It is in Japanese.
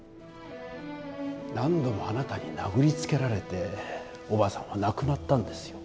何度もあなたに殴りつけられておばあさんは亡くなったんですよ。